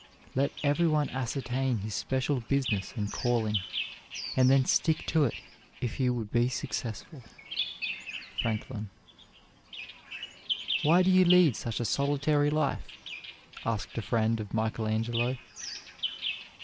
Let every one ascertain his special business and calling, and then stick to it if he would be successful. FRANKLIN. "Why do you lead such a solitary life?" asked a friend of Michael Angelo.